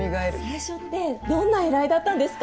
最初ってどんな依頼だったんですか？